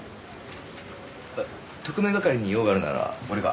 特命係に用があるなら俺が。